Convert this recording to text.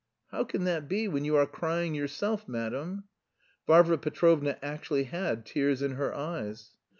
"How can that be when you are crying yourself, madam?" Varvara Petrovna actually had tears in her eyes.